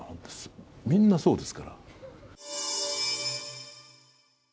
みんなそうですから。